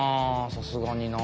さすがにな。